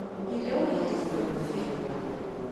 Yella win i d-iteddun deffir-nneɣ.